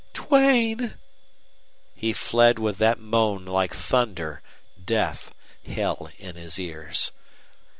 "DUANE!" He fled with that moan like thunder, death, hell in his ears.